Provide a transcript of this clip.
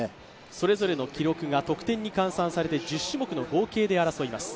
それぞれの記録が得点に換算されて１０種目の合計で争われます。